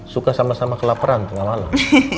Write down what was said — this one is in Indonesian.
suka sama sama kelaparan tengah malam